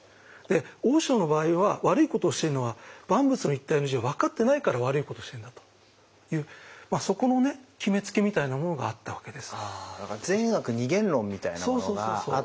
大塩の場合は悪いことをしてるのは「万物一体の仁」を分かってないから悪いことをしてるんだというそこのね決めつけみたいなものがあったわけです。